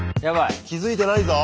気付いてないぞ。